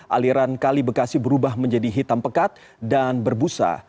aliran kali bekasi berubah menjadi hitam pekat dan berbusa